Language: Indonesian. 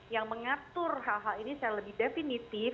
yang mengatur hal hal ini secara lebih definitif